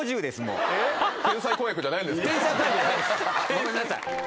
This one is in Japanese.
ごめんなさい